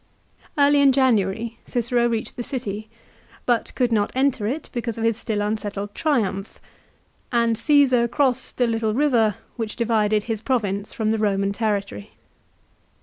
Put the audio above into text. Early in January Cicero reached the city, but could not enter it because of his still unsettled triumph, and Caesar crossed the little river which divided his province from the Roman territory.